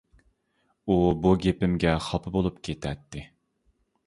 ئۇ بۇ گېپىمگە خاپا بولۇپ كېتەتتى.